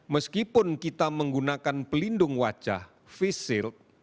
meskipun kita menggunakan pelindung wajah face shield